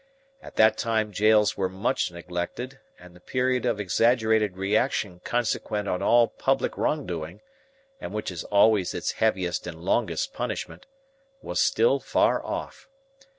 At that time jails were much neglected, and the period of exaggerated reaction consequent on all public wrongdoing—and which is always its heaviest and longest punishment—was still far off.